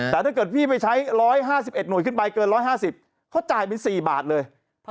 แต่ถ้าเกิดพี่ไปใช้๑๕๑หน่วยขึ้นไปเกิน๑๕๐เขาจ่ายเป็น๔บาทเลย